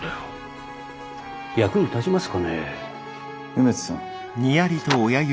梅津さん。